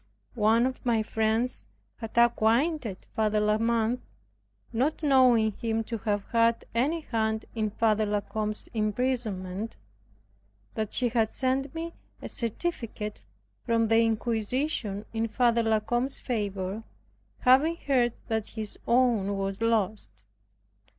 One of my friends had acquainted Father La Mothe, (not knowing him to have had any hand in F. La Combe's imprisonment) that she had sent me a certificate from the inquisition in Father La Combe's favor, having heard that his own was lost.